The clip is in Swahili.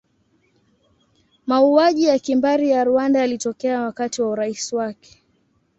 Mauaji ya kimbari ya Rwanda yalitokea wakati wa urais wake.